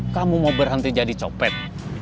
kamu mau berhenti jadi copet